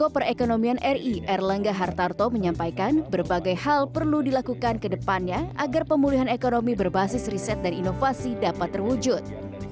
perekonomian ri erlangga hartarto menyampaikan berbagai hal perlu dilakukan ke depannya agar pemulihan ekonomi berbasis riset dan inovasi dapat terwujud